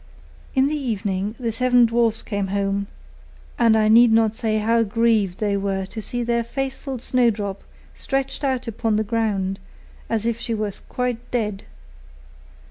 In the evening the seven dwarfs came home; and I need not say how grieved they were to see their faithful Snowdrop stretched out upon the ground, as if she was quite dead.